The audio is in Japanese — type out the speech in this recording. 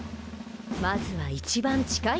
まずは一番近い所から。